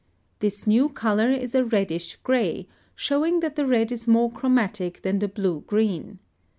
This new color is a reddish gray, showing that the red is more chromatic than the blue green.